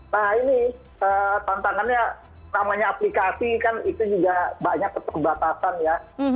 nah ini tantangannya namanya aplikasi kan itu juga banyak keterbatasan ya